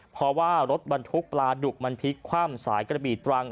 เพราะว่ารถบรรทุกปลาดุกมันพลิกคว่ำสายกระบีตรัง